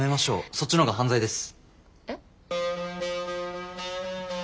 そっちのほうが犯罪です。え？